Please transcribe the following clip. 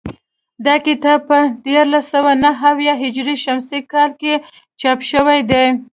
دا کتاب په دیارلس سوه نهه اویا هجري شمسي کال کې چاپ شوی دی